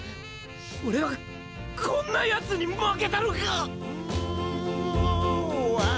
俺はこんなヤツに負けたのか！